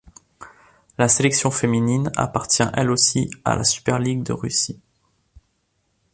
La section féminine appartient elle aussi à la Superligue de Russie.